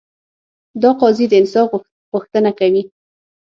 دا قاضي د انصاف غوښتنه کوي.